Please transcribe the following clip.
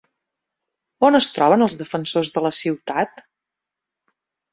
On es troben els defensors de la ciutat?